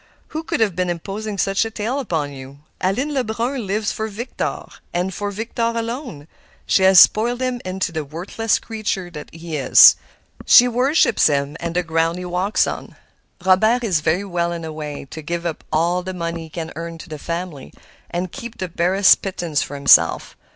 Who could have been imposing such a tale upon you? Aline Lebrun lives for Victor, and for Victor alone. She has spoiled him into the worthless creature he is. She worships him and the ground he walks on. Robert is very well in a way, to give up all the money he can earn to the family, and keep the barest pittance for himself.